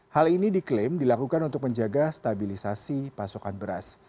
hal ini diklaim dilakukan untuk menjaga stabilisasi pasokan beras